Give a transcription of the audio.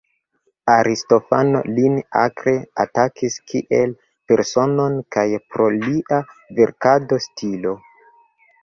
Aristofano lin akre atakis kiel personon kaj pro lia verkado-stilo.